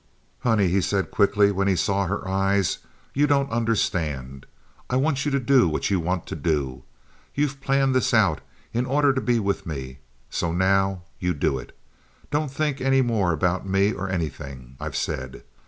"Honey," he said, quickly, when he saw her eyes, "you don't understand. I want you to do what you want to do. You've planned this out in order to be with me; so now you do it. Don't think any more about me or anything I've said.